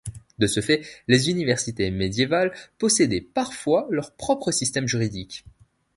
De ce fait, les universités médiévales possédaient parfois leur propre système juridique.